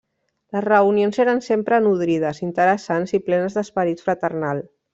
Les reunions eren sempre nodrides, interessants i plenes d'esperit fraternal.